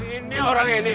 ini orang ini